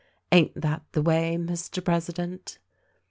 Ain't that the way, Mr. President?"